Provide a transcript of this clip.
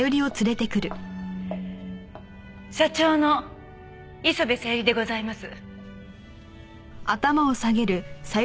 社長の磯部小百合でございます。